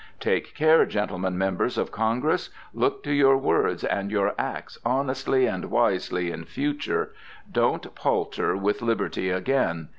Take care, Gentlemen Members of Congress! look to your words and your Acts honestly and wisely in future! don't palter with Liberty again!